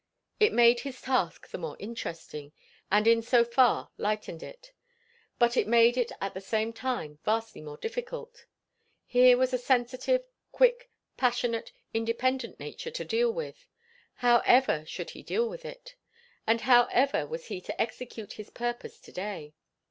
It made his task the more interesting, and in so far lightened it; but it made it at the same time vastly more difficult. Here was a sensitive, quick, passionate, independent nature to deal with; how ever should he deal with it? And how ever was he to execute his purpose to day?